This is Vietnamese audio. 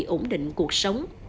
ổn định cuộc sống